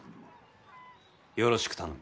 よろしく頼む。